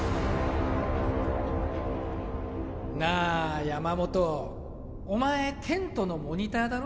なあ山本お前テントのモニターだろ？